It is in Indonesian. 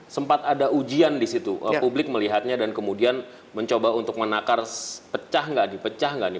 sempat ada ujian di situ publik melihatnya dan kemudian mencoba untuk menakar pecah nggak dipecah nggak nih